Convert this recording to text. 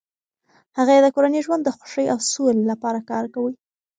هغې د کورني ژوند د خوښۍ او سولې لپاره کار کوي.